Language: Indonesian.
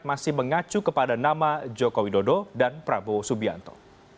masih mengacu kepada nama joko widodo dan prabowo subianto